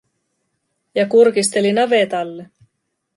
Ja kurkisteli navetalle.